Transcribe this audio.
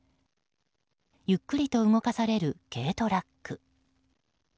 ゆっくりと動かされる軽トラック。